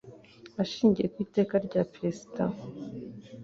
Ashingiye ku Iteka rya Perezida